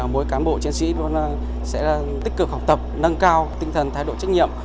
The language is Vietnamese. mỗi cán bộ chiến sĩ sẽ tích cực học tập nâng cao tinh thần thái độ trách nhiệm